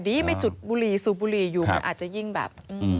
ไม่จุดบุหรี่สูบบุหรี่อยู่มันอาจจะยิ่งแบบ